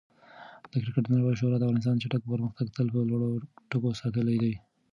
د کرکټ نړیوالې شورا د افغانستان چټک پرمختګ تل په لوړو ټکو ستایلی دی.